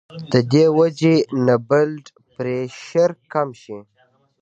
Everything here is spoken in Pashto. د دې وجې نه بلډ پرېشر کم شي